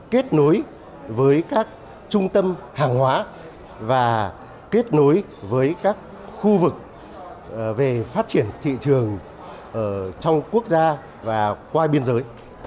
kết nối với các trung tâm hàng hóa và kết nối với các khu vực về phát triển thị trường trong quốc gia và qua biên giới